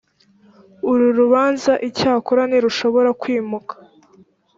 uru rubanza icyakora ntirushobora kwimuka